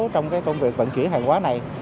trong cái công việc vận chuyển hàng hóa này